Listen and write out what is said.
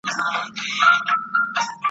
يو دبل په غېږ اغوستي `